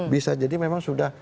bisa jadi memang sudah